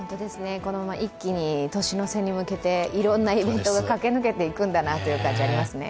このまま一気に年の瀬に向けていろんなイベントが駆け抜けていくんだなという感じがありますね。